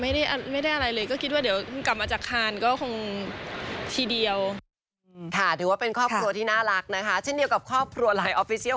ไม่มีค่ะไม่ได้อะไรเลยก็คิดว่าเดี๋ยวกลับมาจากคานก็คงทีเดียว